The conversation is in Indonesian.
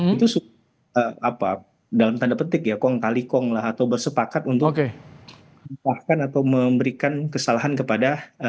itu dalam tanda petik ya kong kali kong lah atau bersepakat untuk bahkan atau memberikan kesalahan kepada